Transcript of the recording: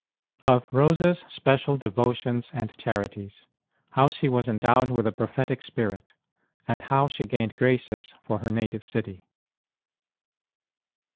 OF ROSE S SPECIAL DEVOTIONS AND CHARITIES ; HOW SHE WAS ENDOWED WITH A PROPHETIC SPIRIT; AND HOW SHE GAINED GRACES FOR HER NATIVE CITY.